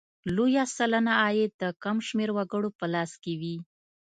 لویه سلنه عاید د کم شمېر وګړو په لاس کې وي.